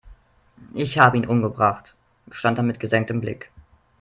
"Ich habe ihn umgebracht", gestand er mit gesenktem Blick.